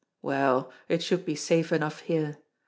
Well, it should be safe enough here.